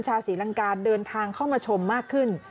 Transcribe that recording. ศรีลังกาเดินทางเข้ามาชมมากขึ้น